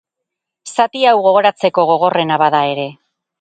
Zati hau gogoratzeko gogorrena bada ere.